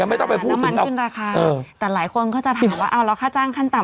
ไม่ต้องไปพูดน้ำมันขึ้นราคาแต่หลายคนก็จะถามว่าเอาแล้วค่าจ้างขั้นต่ำ